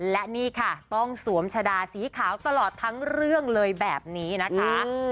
และนี่ค่ะต้องสวมชะดาสีขาวตลอดทั้งเรื่องเลยแบบนี้นะคะ